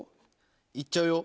行っちゃうよ。